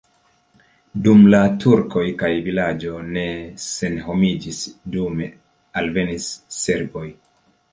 Dum la turkoj la vilaĝo ne senhomiĝis, dume alvenis serboj.